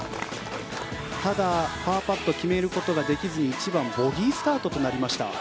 ただ、パーパットを決めることができずに１番、ボギースタートとなりました。